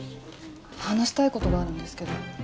話したいことがあるんですけど。